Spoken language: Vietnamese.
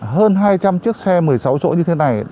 hơn hai trăm linh chiếc xe một mươi sáu chỗ như thế này